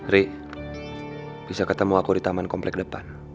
ri bisa ketemu aku di taman komplek depan